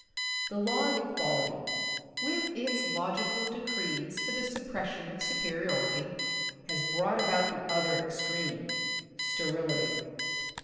The law of equal ity, with its logical decrees for the suppression of superiority, has brought about the other extreme, sterility.